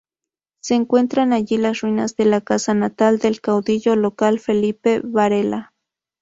Se encuentran allí las ruinas de la casa natal del caudillo local Felipe Varela.